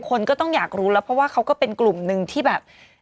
คนก็ต้องอยากรู้แล้วเพราะว่าเขาก็เป็นกลุ่มหนึ่งที่แบบ